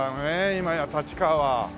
今や立川は。